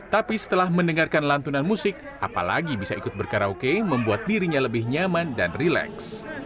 tapi setelah mendengarkan lantunan musik apalagi bisa ikut berkaraoke membuat dirinya lebih nyaman dan rileks